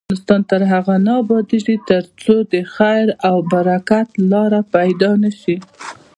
افغانستان تر هغو نه ابادیږي، ترڅو د خیر او برکت لاره پیدا نشي.